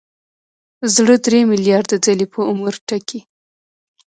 زړه درې ملیارده ځلې په عمر ټکي.